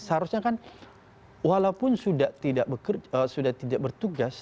seharusnya kan walaupun sudah tidak bertugas